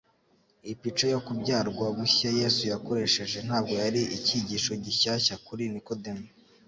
Ipica yo kubyarwa bushya Yesu yakoresheje ntabwo yari icyigisho gishyashya kuri Nikodemu.